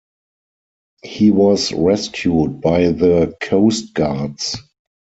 He was rescued by the coastguards.